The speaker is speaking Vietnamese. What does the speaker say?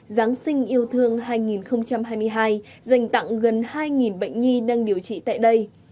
giáng sinh yêu thương hai nghìn hai mươi hai dành tặng gần hai bệnh nhi đang điều trị tại đây